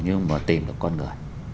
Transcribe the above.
nhưng mà tìm được con người